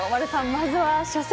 まずは初戦。